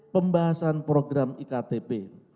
pembahasan program iktp